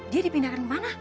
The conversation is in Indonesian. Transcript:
dia dipindahkan ke mana